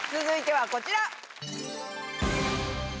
続いてはこちら！